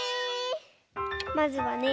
まずはね。